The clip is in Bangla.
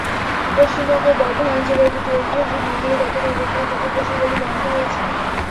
পশ্চিমবঙ্গের বর্ধমান জেলার দুটি ঐতিহাসিক মন্দিরে গতকাল রোববার থেকে পশুবলি বন্ধ হয়েছে।